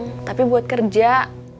iya diniatinnya bukan buat ketemu kang ujung